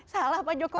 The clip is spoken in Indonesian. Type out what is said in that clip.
salah pak jokowi